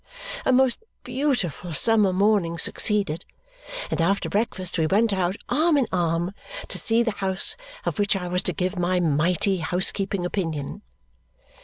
A most beautiful summer morning succeeded, and after breakfast we went out arm in arm to see the house of which I was to give my mighty housekeeping opinion.